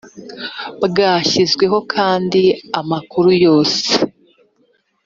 bwashyizweho kandi amakuru yose